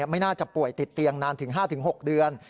ไม่น่าจะป่วยติดเตียงนานถึง๕๖เดือน